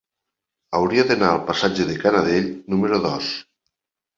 Hauria d'anar al passatge de Canadell número dos.